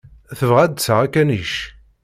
Tebɣa ad d-taɣ akanic.